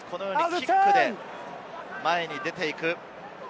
キックで前に出ていく。